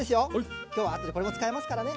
きょうはあとでこれも使いますからね。